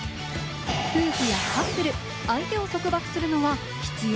夫婦やカップル、相手を束縛するのは必要？